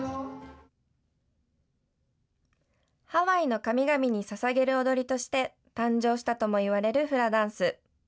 ハワイの神々にささげる踊りとして、誕生したともいわれるフラダンス。